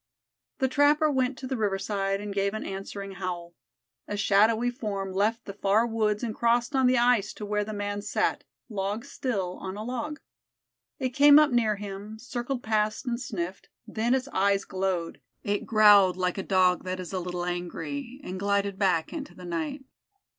The trapper went to the riverside and gave an answering howl. A shadowy form left the far woods and crossed on the ice to where the man sat, log still, on a log. It came up near him, circled past and sniffed, then its eye glowed; it growled like a Dog that is a little angry, and glided back into the night.